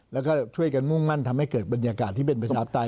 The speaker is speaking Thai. แล้วก็ช่วยกันมุ่งมั่นทำให้เกิดบรรยากาศที่เป็นประชาปไตย